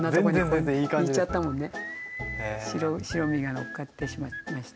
白身がのっかってしまいました。